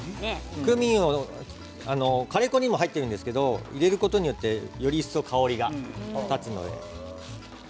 クミンはカレー粉にも入ってるんですけど入れることによってより一層香りが立つので。